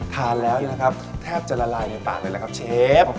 ทานแล้วนะครับแทบจะละลายในปากเลยแหละครับเชฟ